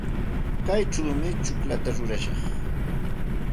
Kaychawmi tsukllata rurashaq.